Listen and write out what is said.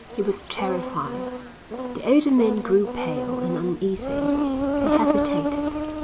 He was terrifying. The older men grew pale and uneasy. They hesitated.